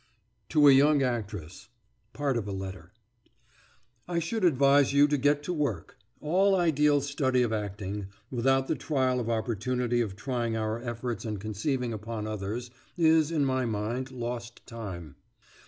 TO A YOUNG ACTRESS [PART OF A LETTER] ... I should advise you to get to work; all ideal study of acting, without the trial or opportunity of trying our efforts and conceivings upon others, is, in my mind, lost time.